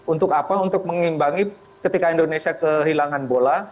untuk apa untuk mengimbangi ketika indonesia kehilangan bola